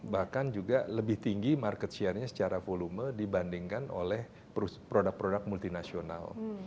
bahkan juga lebih tinggi market share nya secara volume dibandingkan oleh produk produk multinasional